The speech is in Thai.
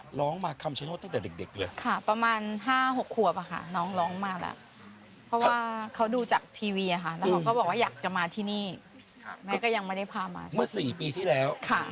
ชงซายดินเทียงไม่ไปก็ต้องใช้เวลาอีกพอสมควร